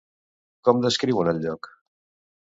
Com descriuen el lloc?